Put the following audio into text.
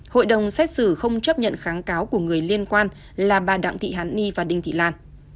hội đồng xét xử không chấp nhận kháng cáo của người liên quan là bà đặng thị hàn ni và đinh thị lan